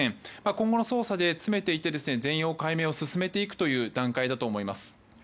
今後の捜査で詰めていって全容解明を進めていく段階だと思います。